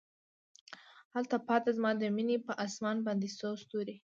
هلته پاته زما د میینې په اسمان باندې څو ستوري